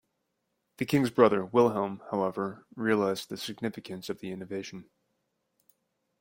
The king's brother Wilhelm, however, realized the significance of the innovation.